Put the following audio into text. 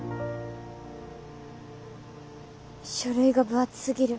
書類が分厚すぎる。